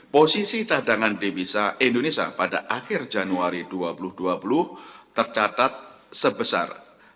posisi cadangan devisa indonesia pada akhir januari dua ribu dua puluh tercatat sebesar